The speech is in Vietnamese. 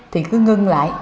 thì cứ ngưng lại